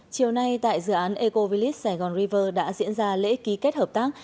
chiều nay tại dự án eco village saigon river đã diễn ra lễ ký kết hợp tác